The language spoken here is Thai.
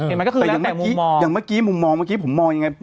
เห็นมันก็คือแล้วแต่มุมมองอย่างเมื่อกี้มุมมองเมื่อกี้ผมมองยังไง